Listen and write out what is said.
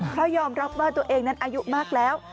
เพราะยอมรับว่าตัวเองนั้นอายุมากแล้ว